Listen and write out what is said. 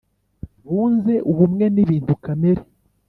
bunze ubumwe n’ibintu kamere.